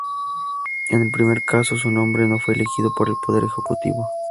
En el primer caso, su nombre no fue elegido por el Poder Ejecutivo.